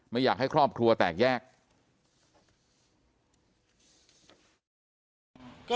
ไม่อยากให้ครอบครัวแตกแยก